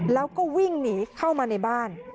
แล้วก็วิ่งหนีเข้ามาในบ้าน